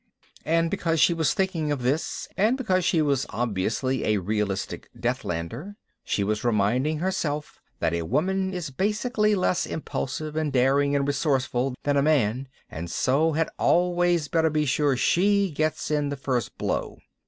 And because she was thinking of this and because she was obviously a realistic Deathlander, she was reminding herself that a woman is basically less impulsive and daring and resourceful than a man and so had always better be sure she gets in the first blow.